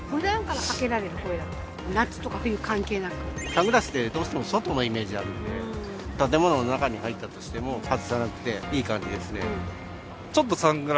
サングラスってどうしても外のイメージあるので建物の中に入ったとしても外さなくていい感じですね。